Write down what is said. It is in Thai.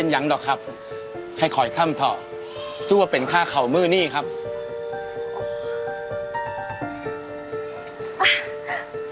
โร่งศูนย์ทำร่าง